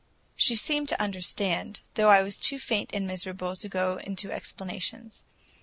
She seemed to understand, though I was too faint and miserable to go into explanations.